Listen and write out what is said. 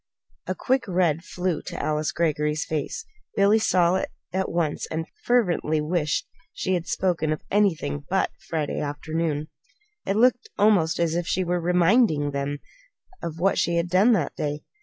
A quick red flew to Alice Greggory's face. Billy saw it at once and fervently wished she had spoken of anything but that Friday afternoon. It looked almost as if she were reminding them of what she had done that day.